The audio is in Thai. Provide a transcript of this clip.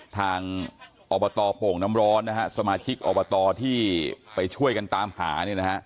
ทางอบตโป่งน้ำร้อนสมาชิกอบตที่ไปช่วยกันตามหา